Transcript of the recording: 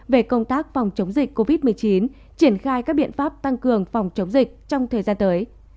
về công tác phòng chống dịch covid một mươi chín triển khai các biện pháp tăng cường phòng chống dịch trong thời gian tới